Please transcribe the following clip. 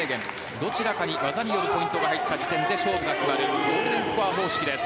どちらかに技によるポイントが入った時点で勝負が決まるゴールデンスコア方式です。